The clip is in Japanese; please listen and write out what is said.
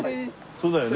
そうだよね？